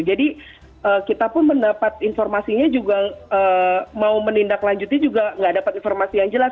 jadi kita pun mendapat informasinya juga mau menindak lanjutnya juga nggak dapat informasi yang jelas